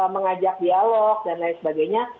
mengajak dialog dan lain sebagainya